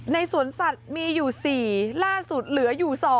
สวนสัตว์มีอยู่๔ล่าสุดเหลืออยู่๒